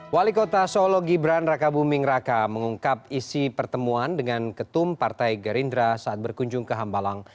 wali kota solo gibran raka buming raka mengungkap isi pertemuan dengan ketum partai gerindra saat berkunjung ke hambalang